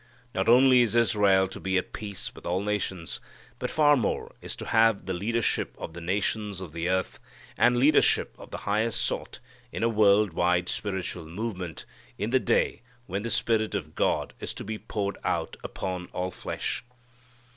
Not only is Israel to be at peace with all nations, but, far more, is to have the leadership of the nations of the earth, and leadership of the highest sort in a world wide spiritual movement, in the day when the Spirit of God is to be poured out upon all flesh.